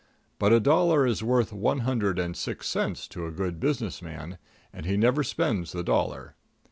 But a dollar is worth one hundred and six cents to a good business man, and he never spends the dollar.